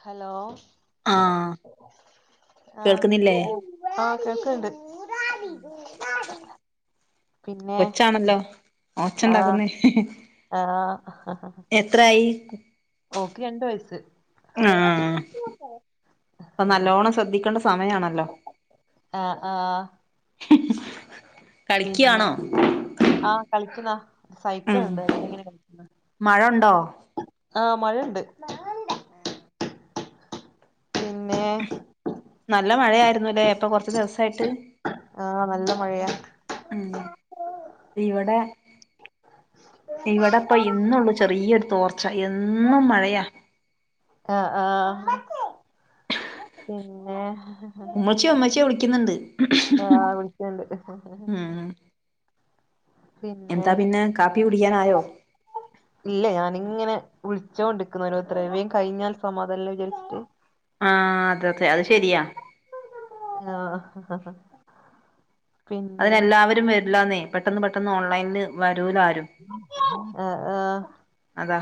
Hello ആ ആഹ് കേൾക്കുന്നില്ലേ ആഹ് കേക്ക്ണ്ട് കൊച്ചാണല്ലോ ആഹ് ഓച്ചണ്ടാക്കുന്നേ ആഹ് എത്രായീ ഓക്ക് രണ്ടു വയസ്സ് ആഹ് പ്പനല്ലോണം ശ്രദ്ധിക്കേണ്ട സമയാണല്ലോ ആഹ് ആഹ് [unintelligible] [inaudible] പിന്നെ ആഹ് കളിക്കുന്നാ സൈക്കിൾ ഉം ഉണ്ട് എന്ന എങ്ങനെ മഴ ഉണ്ടോ [unintelligible] ആഹ് മഴയുണ്ട് പിന്നെ നല്ല മഴയായിരുന്നു ല്ലേ പ്പൊ കൊറ്ച് ദിവസായിട്ട് ആഹ് നല്ല മഴയാ ഉം ഇവടെ ഇവടെ പയ് ഇന്നൊള്ളു ചെറിയൊരു തോർച്ച എന്നും മഴയാ ആഹ് ആഹ് പിന്നെ ഉമ്മച്ചിയെ ഉമ്മച്ചിയെ വിളിക്കുന്നുണ്ട് ആഹ് വിളിച്ചേണ്ട്. ഉം പിന്നെ കാപ്പി കുടിക്കാൻ ആയ്യോ ഇല്ല ഞാന്ങ്ങനെ വിളിച്ചോണ്ട്ക്ക്ന്ന് ഓരോരുത്തരെ വേം കഴിഞ്ഞാൽ സമാധാനല്ലെ വിചാര്ച്ചിട്ട് ആഹ് അതതെ അത് ശെരിയാ [inaudible] [unintelligible] പിന്നെ അതിനെല്ലാവരും വരില്ലാന്നേ പെട്ടെന്ന് പെട്ടെന്ന് ഓൺലൈനിൽ വരൂല ആരും ആഹ് ആഹ് അതാ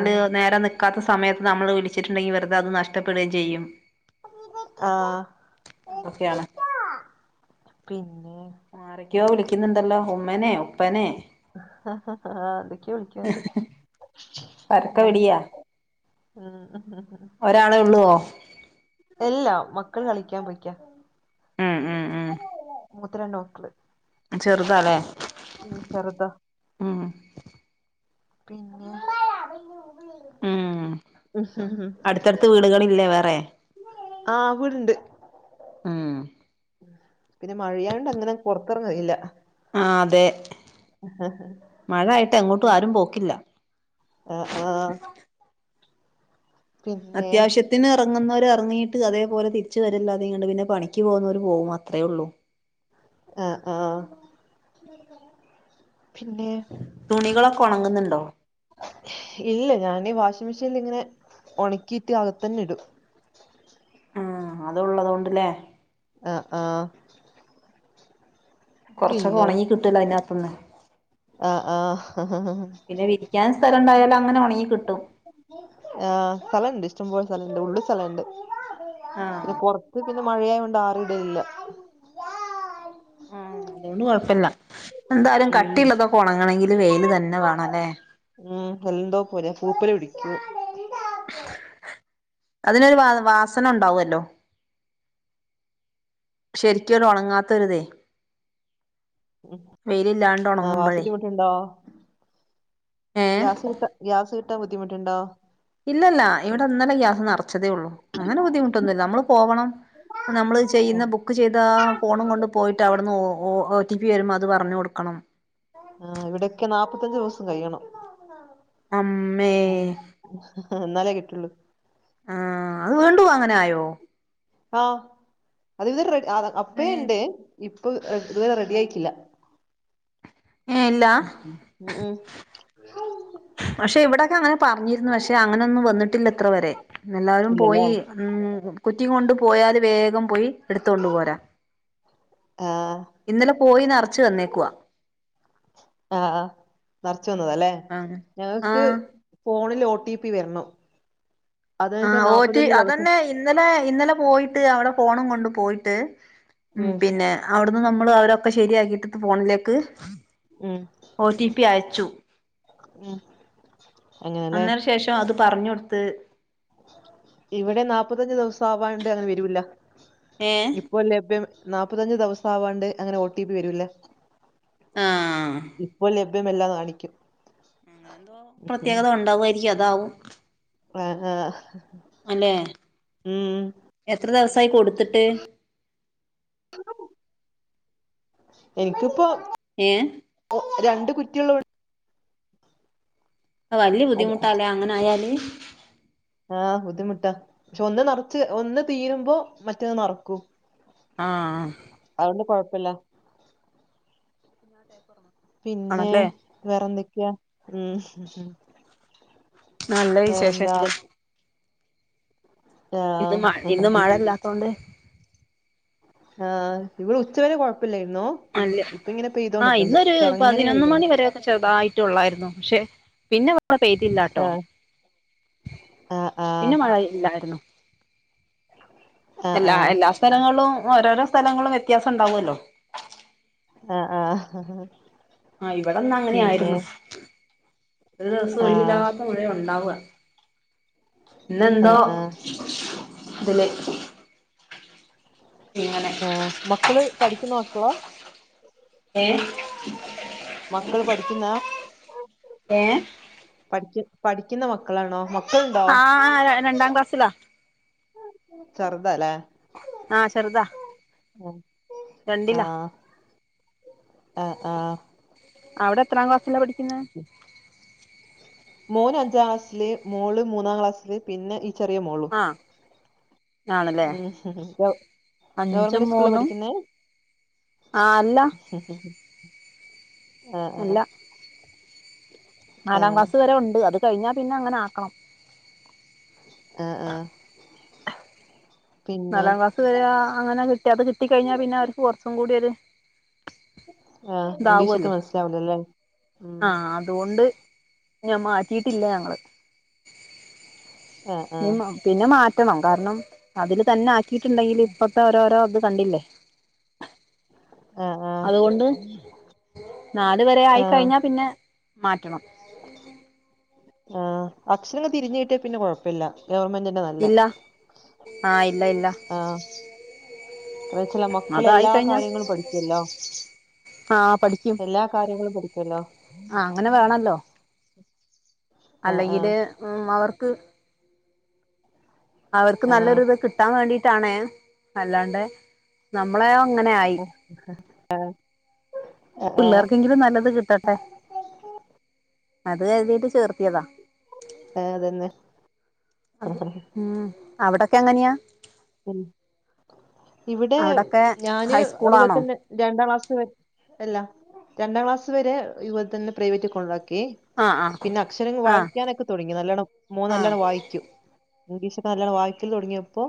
ആഹ് നേരെ നിക്കാത്ത സമയത്ത് നമ്മള് വിളിച്ചിട്ടുണ്ടെങ്കി വെറുതെ അത് നഷ്ടപ്പെടുകയും ചെയ്യും. ആഹാ അതൊക്കെയാണ് പിന്നെ ആരൊക്കെയൊ വിളിക്ക്ന്നുണ്ടല്ലോ ഉമ്മനെ ഉപ്പനെ എന്തോക്കെയോ വിളിക്കെണ്ട് പരക്ക വിളിയാ ആഹ് ഒരാളെ ഒള്ളോ? എല്ലാ മക്കൾ കളിക്കാൻ പോയിക്ക. ഉം ഉം ഉം മൂത്ത രണ്ട് മക്കള് ചെറുതാല്ലേ? ഉം ചെറ്ത. ഉം പിന്നെ ഉം അടുത്തട്ത്ത് വീടുകളില്ലേ വേറെ ആവ്ണ്ട് ഉം പിന്നെ മഴയായണ്ട് അങ്ങനെ പുറത്തിറങ്ങയില്ല. ആഹ് അതെ മഴ ആയിട്ട് എങ്ങോട്ടും ആരും പോക്കില്ല. ആ ആഹാ പിന്നെ അത്യാവശ്യം [unintelligible] ഇറങ്ങുന്നവർ ഇറങ്ങിയിട്ട് അതേപോലെ തിരിച്ച് വരില്ലാതെ കണ്ട് പിന്നെ പണിക്ക് പോകുന്നവർ പോകും അത്രേ ഉള്ളൂ. ആഹ് ആഹ് പിന്നെ. തുണികളൊക്കെ ഒണങ്ങുന്നുണ്ടോ? ഇല്ല ഞാൻ ഈ വാഷിംഗ മെഷീനിൽ ഇങ്ങനെ ഒണക്കിട്ട് അകത്തന്നെ ഇടും. ആഹാ അതുള്ളതൊണ്ട്ല്ലേ? ആഹ് ആഹ് കൊറച്ചൊക്കെ പിന്നെ ഒണങ്ങി കിട്ടുഅല്ലോ അതിനകത്തുന്ന്. ആഹ് ആഹ് പിന്നെ വിരിക്കാൻ സ്ഥലണ്ടായാലെ അങ്ങനെ ഒണങ്ങി കിട്ടും. ആ സ്ഥലണ്ട് ഇഷ്ട്ടം പോലെ സ്ഥലണ്ട് ആഹ് പിന്നെ അത് പിന്നെ മഴയായൊണ്ട് ആറിടലില്ല. ആഹ് അതൊണ്ട് കൊഴപ്പല്ല എന്താലും ഉം കട്ടിള്ളതൊക്കെ ഒണങ്ങണെങ്കില് വൈൽ തന്നെ വേണം ല്ലേ ഉം എന്തൊ പോലെ പൂപ്പല് പിടിക്കും അതിനൊരു വ വാസന ഉണ്ടാവല്ലോ ശെരിക്കൊരു ഉണങ്ങാത്തൊരിതേ ഉ വെയിലില്ലാണ്ട് ആഹാ ഗ്യാസിന് ഉണങ്ങുമ്പോഴേ ബുദ്ധിമുട്ട്ണ്ടോ? ഏഹ് ഗ്യസ് കിട്ടാ ഗ്യാസ് കിട്ടാ ബുദ്ധിമുട്ട്ണ്ടോ ഇല്ലല്ല ഇവിടെ ഇന്നലെ ഗ്യാസ് നിറച്ചതേ ഉള്ളു അങ്ങനെ ബുദ്ധിമുട്ടൊന്നുല്ല നമ്മള് പോവണം. നമ്മൾ ചെയ്യുന്ന ബുക്ക് ചെയ്ത ഫോണും കൊണ്ട് പോയിട്ട് അവിടുന്ന് ഒ ഓ ടി പി വരുമ്പോൾ അത് പറഞ്ഞ് കൊടുക്കണം ആ ഇവിടൊക്കെ നാല്പ്പത്തഞ്ചു ദിവസം കഴിയണം. അമ്മേ.. ന്നാലേ കിട്ടുള്ളൂ. ആഹാ അഹ് വീണ്ടും അങ്ങനായോ? ആഹ അത് ഇത് വറേ റെഡി ഏഹ് അപ്പയേണ്ട് ഇപ്പൊ ഇതുവരെ റെഡിയായിട്ടില്ല ഏ ഇല്ല ഉം. ഉം പക്ഷെ ഇവിടൊക്കെ അങ്ങനെ പറഞ്ഞിരുന്നു പക്ഷെ അങ്ങനൊന്നും വന്നിട്ടില്ല ഇത്ര വരെ എല്ലാരും ഇല്ലല്ലേ പോയി ഉം കുറ്റീം കൊണ്ട് പോയാല് വേഗം പോയി എടുത്തോണ്ട് പോരാ ആഹ് ഇന്നലെ പോയി നറച്ചു തന്നേക്കുവ ആഹ് നർച്ച് വന്നതാല്ലേ ആഹ് ഞങ്ങക്ക് ഫോണിൽ ഒ ടി പി വര്ണം ആ ഒറ്റ് ദിവസം അതന്നെ ഇന്നലെ ഇന്നലെ പോയിട്ട് അവിടെ ഫോണു കൊണ്ട് പോയിട്ട് ഉം പിന്നെ അവ്ട്ന്ന് നമ്മൾ അവരൊക്കെ ശരിയാക്കിട്ട്ത് ഫോണിലേക്ക് ഉം ഒ ടി പി അയച്ചു ഉം. അങ്ങനെല്ലേ അന്നേന് ശേഷം അത് പറഞ്ഞൊട്ത്ത് ഇവടെ നാല്പ്പത്തഞ്ച് ദിവസാവാണ്ട് അങ്ങനെ വെരൂല്ല ഏഹ് ഇപ്പോ ലഭ്യം നാപ്പത്തഞ്ച് ദിവസാവാണ്ട് അങ്ങനെ ഓ ടി പി വരൂല്ല ആഹ് ഇപ്പോ ലഭ്യമെല്ലാ കാണിക്കും അങ്ങനെ പ്രത്യേകത ഉണ്ടാവുമായിരിക്കും അതാവും. ആഹ ആഹ ആ അല്ലെ എത്ര ദെവസായി കൊട്ത്ത്ട്ട്? എനിക്കിപ്പൊ ഏഹേ? ഒ രണ്ട് കുറ്റിള്ളോണ്ട് വല്യ അതെ ബുദ്ധിമുട്ടാലേ അങ്ങനെ ആയാല് ആഹ് ബുദ്ധിമുട്ടാ പക്ഷെ ഒന്ന് നെറച്ച് ഒന്ന് തീരുമ്പോ മറ്റത്ത് നെറക്കും. ആഹാ അതൊണ്ട് കോഴപ്പല്ല. [inaudible] പിന്നെ ആണല്ലേ വേറന്തൊക്കെയാ? ഉം ഉം നല്ല വിശേഷങ്ങള്. ഇന്ന് ആഹ് മഴ ഇന്ന് മഴല്ലാത്തോണ്ട് ആഹ് ഇവിടെ ഉച്ചവരെ കുഴപ്പില്ലായിരുന്നു. ആ ഇന്നൊരു ഇങ്ങനെ പതിനൊന്ന് പെയ്യ്ണ് മണി വരെ ചെറ്തായിട്ടോള്ളായിരുന്നു പക്ഷെ പിന്നെ പെയ്തില്ലട്ടോ ആഹ് ആഹ് പിന്നെ ആഹ് മഴ ഇല്ലായിരുന്നു ആഹ് എല്ലാ സ്ഥലങ്ങളിലും ഓരോരോ സ്ഥലങ്ങളും വ്യത്യാസം ഉണ്ടാവുമല്ലോ. ആഹ ആഹ ആഹ് ആഹ് പിന്നെ ഇവിടെന്നങ്ങനെയായിരുന്നു ഒരു ദിവസം ആഹ് ഒഴിവില്ലാത്ത മഴ. ഒണ്ടാവാ ഇന്നെന്തോ ആഹ് ആഹ് ഇതില് ഇങ്ങനെ ആഹാ മക്കള് പഠിക്കുന്ന മക്കളാ? ഏ മക്കള് പഠിക്കുന്നാ ഏഹ് പഠിക്ക പഠിക്കുന്ന മക്കളാണോ മക്കളുണ്ടോ ആഹ് രണ്ടാം ക്ലാസ്സിലാ. ചെറുതാല്ലേ ആഹ് ചെറ്ത. ആ ആഹ് ആഹ് അവടെ എത്രാം ക്ലാസ്സിലാ പഠിക്കുന്നേ മോന് അഞ്ചാം ക്ലാസ്സില്, മോള് മൂന്നാം ക്ലാസ്സില്, പിന്നെ ഈ ചെറിയ മോളും അഹ് ഉം ഗവ അഞ്ചും ഗവർമെന്റ് സ്കൂളില മൂന്നും പഠിക്ക്ന്നെ ആഹ് അല്ല ആഹാ ആഹാ അല്ല നാലാം ക്ലാസ് വരെ ഒണ്ട്. അത് കഴിഞ്ഞാ പിന്നെ അങ്ങനെ ആക്കണം ആഹ് ആഹ് പിന്നെ നാലാം ക്ലാസ് കഴിഞ്ഞ അങ്ങനെ കിട്ടി അത് കിട്ടി കഴിഞ്ഞാ പിന്നെ അവിര്ക്ക് കൊറച്ചുംകൂടി ഒരു ആ ഇംഗ്ലീഷൊക്കെ ഇതാവുമല്ലോ മനസ്സിലാവൂലല്ലേ ഉം ആഹ് അതുകൊണ്ട് ഞാം മാറ്റീയിട്ടില്ല ഞങ്ങള് ആഹ് ആഹ് പിന്നെ മാറ്റണം കാരണം അതില് തന്നെ ആക്കിയിട്ടുണ്ടെങ്കില് ഇപ്പത്തെ ഓരോരോ ഇത് കണ്ടില്ലേ? ആഹ് ആഹ് അതുകൊണ്ട് നാല് വരെ ആഹ് ആയിക്കഴിഞ്ഞ പിന്നെ മാറ്റണം ആഹ് അക്ഷരങ്ങള് തിരിഞ് കിട്ടിയ പിന്നെ കൊഴപ്പല്ല ഗവർമെന്റ്ന്നെ പ്പ നല്ല ആഹ ഇല്ല ഇല്ല ആഹ് അഹ് ചില അതായി മക്കളെല്ലാ കാര്യങ്ങളും പഠിക്കല്ലൊ? ആഹാ പഠിക്കാ ല്ലാ കാര്യങ്ങളും പഠിക്കല്ലൊ ആ അങ്ങനെ വേണല്ലോ ആഹ് ആഹ് അല്ലെങ്കില് ഉം വളർത്ത് അവർക്ക് ആഹ് നല്ലൊരു ഇത് കിട്ടാൻ വേണ്ടിട്ടാണേ അല്ലാണ്ടേ നമ്മളെയോ അങ്ങനെയായി പിള്ളാർ ന്തെങ്കിലും നല്ലത് കിട്ടട്ടെ അത് കര്തീട്ട് ചേർത്തിയത ആഹ് അതന്നെ അത് ഉം അവിടൊക്കെ എങ്ങന്ന്യാ? ഉം ഇവിടെ അവിടൊക്കെ ഞാന് ഹൈസ്കൂളാണോ അത്പോലെതന്നെ രണ്ടാം ക്ലാസ്സ് അല്ല. രണ്ടാം ക്ലാസ് വരെ ഇതുപോലെ തന്നെ പ്രൈവറ്റ് കൊണ്ടാക്കി ആഹ് ആഹ് പിന്നെ അക്ഷരങ്ങള് ആഹ് വായിക്കാനൊക്കെ തൊടങ്ങി. മോൻ ആഹ് നല്ലണം വായിക്കും ഇഗ്ലീഷൊക്കെ നല്ലോണം വായിക്കല് തൊടങ്ങിയൊപ്പൊ?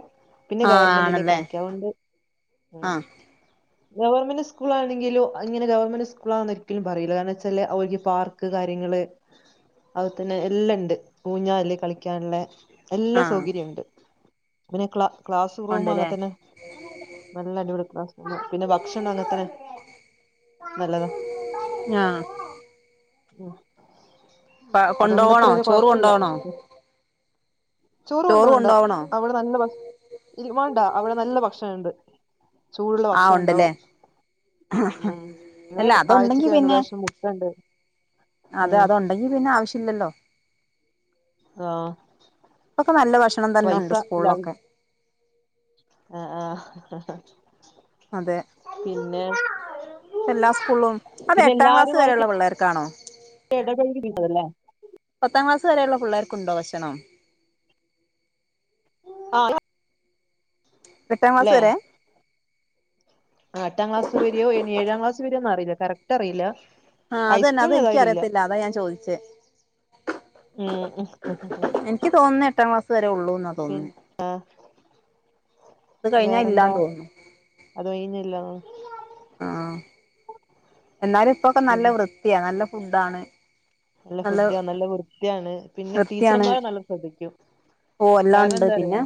പിന്നെ ആഹ് ആണല്ലേ ഗവർമെന്റിലേക്കാക്കി അതോണ്ട് ആഹ് ഗവൺമെന്റ് സ്കൂളാണെങ്കില് അങ്ങനെ ഗവൺമെന്റ് സ്കൂളാന്ന്‌ ഒരിക്കലും പറയില്ല കാരണം വെച്ചാല് അവര് പാർ ക്ക് കാര്യങ്ങള് അതുതന്നെ എല്ലാണ്ട് ഊഞ്ഞാല് കളിക്കാൻള്ള എല്ല ആഹ് സൗകര്യം ഉണ്ട്. പിന്നെ ക്ല ക്ലാസ്റൂമ് ഉണ്ടല്ലേ അങ്ങൻതന്നെ നല്ല അടിപൊളി ക്ലാസ്സ്‌റൂമ് പിന്നെ ഭക്ഷണം അങ്ങനത്തനെ നല്ലതാ ഉം ആഹ് അതോണ്ടത്ര കൊണ്ടോവണോ ഒരു ചോറ് കൊഴപ്പില്ല കൊണ്ടോവണോ [unintelligible] ചോറ് കൊണ്ടുവുണ്ടോ അവിടെ നല്ല ഭ ഇതിന് വേണ്ട അവിടെ നല്ല ഭക്ഷണംണ്ട് ചൂടുള്ള ആഹ് ഉണ്ടല്ലേ ഭക്ഷണണ്ടാവും ഉം ന്നെ അല്ല അതുണ്ടെങ്കി ആഴ്ചക്ക് രണ്ടു പ്രാവശ്യം മുട്ടണ്ട് അത് ഉം അതൊണ്ടെങ്കി പിന്നെ ആവശ്യല്ലല്ലൊ ആഹ് ഇപ്പൊക്ക നല്ല ഭക്ഷണം തന്നെ ഉണ്ട് സ്കൂളിലൊക്കെ ആഹ ഹാ എഹ് അതെ പിന്നെ എല്ലാ സ്കൂൾലും അത് പിന്നെ എട്ടാം ക്ലാസ് വരെള്ള പിള്ളേർക്കാണൊ ഇടപഴകി [unintelligible] തല്ലേ? പത്താം ക്ലാസ് വരേള്ള പുള്ളാർക്കുണ്ടൊ? ഭക്ഷണം ആഹ് എട്ടാം ക്ലസ് ല്ലേ വരെ ആഹ് എട്ടാം ക്ലാസ് വരെയോ ഇനി ഏഴാം ക്ലാസ് വരെയൊ. അറിയില്ല കറക്റ്ററിയില്ല ആഹ് അത്തന്നെ അത് ഇൻക്ക് അറിയത്തില്ല. അതാ ഞാൻ ചോദിച്ചെ ഉം എനിക്ക് തോന്നുന്നു എട്ടാം ക്ലാസ് വരെ ഉള്ളൂ എന്നാ തോന്ന്ന്നേ ആഹ് അത് കഴിഞ്ഞാ ഇല്ലാത്തോന്നുണു അത് കഴിഞ്ഞില്ല ആഹ. എന്നാലും ഇപ്പോക്കെ നല്ല പിന്നെ വൃത്തിയാ നല്ല ഫുഡാണ് നല്ല ഫുഡ്ഡ് നല്ല വൃത്ത്യാണ്. പിന്നെ വൃത്തിയാണ് ടീച്ചർമാര് നല്ലം ശ്രദ്ധിക്കും ഓ എല്ലാം കാരണം ഉണ്ട് എന്താ പിന്നെ പറയാ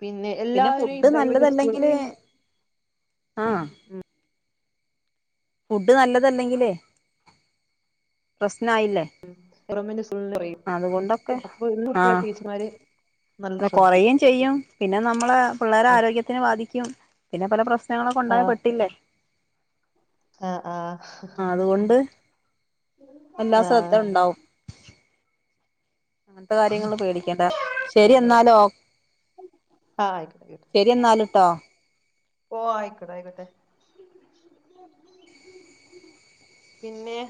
പിന്നെ എല്ലാവരും ഈ പ്രൈവറ്റ് സ്കൂൾ ആഹ് ഫുഡ് നല്ലതല്ലെങ്കിലേ പ്രശ്നായില്ലേ? ഉം ഇബ്രുമ്മന്റെ ഫുള്ള് കൊറയും. അതുകൊണ്ടൊക്കെ അപ്പൊ ഒര് ആ കുട്ടി ടീച്ചർമാര് നല്ല ശ്രദ്ധിക്കും കൊറയും ചെയ്യും പിന്നെ നമ്മള് പിള്ളേരെ ആരോഗ്യ ത്തിനെ ബാധിക്കും. പിന്നെ പല പ്രശ്നങ്ങളൊക്കെ ഉണ്ടായാ ആഹ് പെട്ടില്ലേ? ആഹ് ആഹ് ആ അതുകൊണ്ട് എല്ലാ ആഹ് ശ്രദ്ധ ആഹ് ഉണ്ടാവും അങ്ങൻത്ത കാര്യങ്ങളും പേടിക്കേണ്ട ശരി എന്നാലോ ആയിക്കോട്ടെ ആയിക്കോട്ടെ ശരി എന്നാലട്ടോ ഓ ആയിക്കട്ടെ ആയിക്കോട്ടെ പിന്നെ